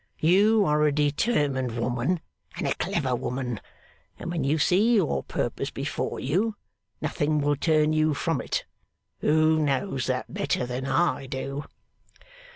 You are a determined woman, and a clever woman; and when you see your purpose before you, nothing will turn you from it. Who knows that better than I do?